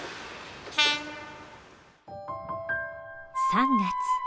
３月。